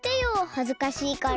はずかしいから。